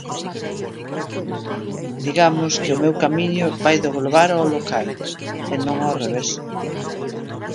Digamos que o meu camiño vai do global ao local, e non ao revés.